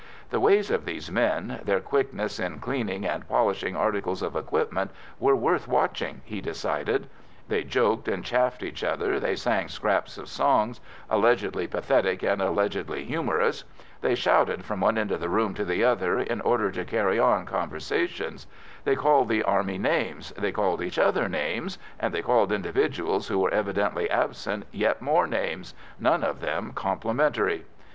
The ways of these men, their quickness in cleaning and polishing articles of equipment, were worth watching, he decided. They joked and chaffed each other, they sang scraps of songs, allegedly pathetic and allegedly humorous; they shouted from one end of the room to the other in order to carry on conversations; they called the Army names, they called each other names, and they called individuals who were evidently absent yet more names, none of them complimentary.